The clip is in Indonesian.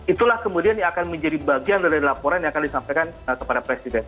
itulah kemudian yang akan menjadi bagian dari laporan yang akan disampaikan kepada presiden